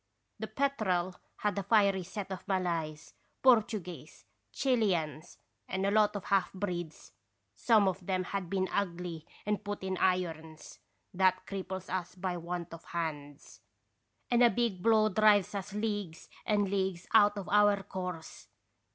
" The Petrel had a fiery set of Malays, Por tuguese, Chileans, and a lot of half breeds. Some of 'em had been ugly and put in irons ; that cripples us by want of hands, and a big blow drives us leagues and leagues out of our course.